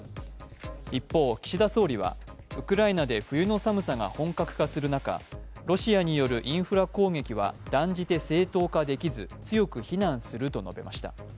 一方、岸田総理はウクライナで冬の寒さが本格化する中、ロシアによるインフラ攻撃は断じて正当化できず強く非難すると述べました。